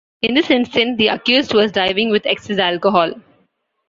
In this instance, the accused was driving with excess alcohol.